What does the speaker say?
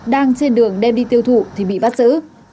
đang trên đường đem đi tiêu thụ thì bị bắt giữ